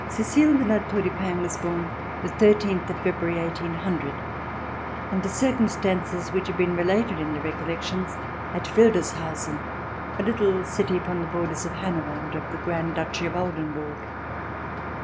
Cecile de La Tour du Pin was born the thirteenth of February, 1800, under circumstances which have been related in the Recollections, at Wildeshausen, a little city upon the borders of Hanover and of the Grand Duchy of Oldenburg.